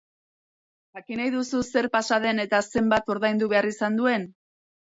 Jakin nahi duzu zer pasa den eta zenbat ordaindu behar izan duen?